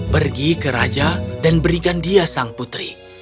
pergi ke raja dan berikan dia sang putri